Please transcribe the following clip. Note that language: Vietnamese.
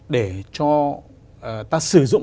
để cho ta sử dụng